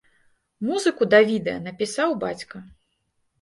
Музыку да відэа напісаў бацька.